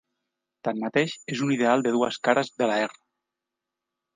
Tanmateix, és un ideal de dues cares de la "R".